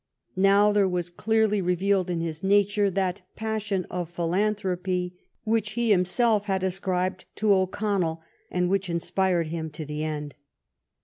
Now there was clearly re vealed in his nature that "passion of philanthropy" which he himself had ascribed to O'Connell, and which inspired him to the end.